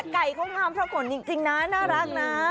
ไก่เขางามพระขนจริงนะน่ารักนะ